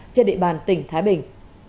trên địa bàn tỉnh thái bình